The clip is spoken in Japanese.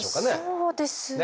そうですね。